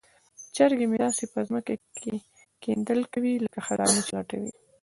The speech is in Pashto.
چرګې مې داسې په ځمکه کې کیندل کوي لکه خزانه چې لټوي.